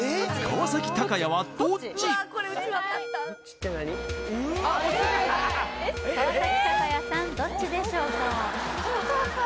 川崎鷹也さんどっちでしょうか？